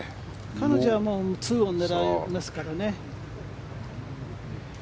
彼女は２オン狙いますからね。